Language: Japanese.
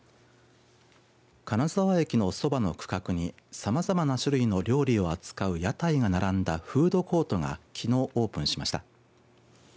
金沢駅のそばの区画にさまざまな種類の料理を扱う屋台が並んだフードコートがきのうオープンしました。